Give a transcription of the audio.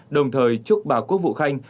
đồng thời chúc bà quốc vũ khanh